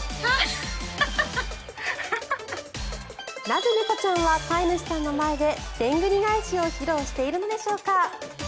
なぜ猫ちゃんは飼い主さんの前ででんぐり返しを披露しているのでしょうか。